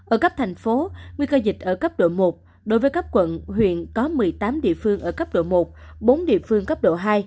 ở cấp thành phố nguy cơ dịch ở cấp độ một đối với cấp quận huyện có một mươi tám địa phương ở cấp độ một bốn địa phương cấp độ hai